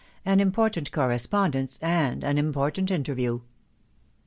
AN IMPORTANT CORRESPONDENCE, AND AN IMPORTANT INTERVIEW.